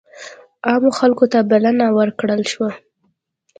عامو خلکو ته بلنه ورکړل شوه.